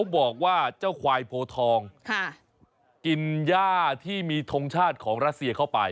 เป็นยังไง